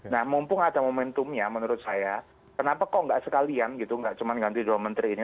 nah mumpung ada momentumnya menurut saya kenapa kok nggak sekalian gitu nggak cuma ganti dua menteri ini